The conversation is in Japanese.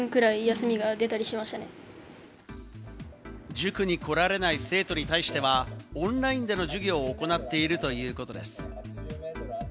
塾に来られない生徒に対しては、オンラインでの授業を行っているということです。